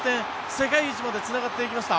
世界一までつながっていきました。